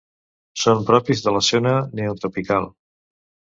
Són propis de la zona neotropical.